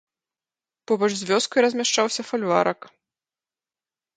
Побач з вёскай размяшчаўся фальварак.